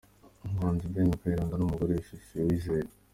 Umuhanzi Ben Kayiranga n’umugore we Fifi Uwizeye.